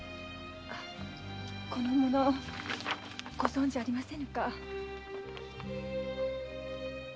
この者ご存じありませぬか？